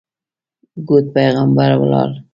ګوډ پېغمبر ولاړ.